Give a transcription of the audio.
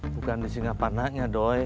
bukan di singaparna ya doy